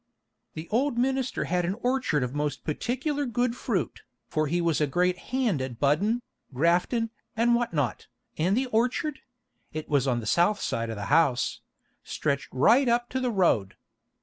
"The old minister had an orchard of most particular good fruit, for he was a great hand at buddin', graftin', and what not, and the orchard (it was on the south side of the house) stretched right up to the road.